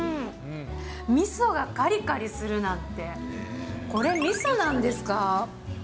みそがかりかりするなんて、これみそなんですか？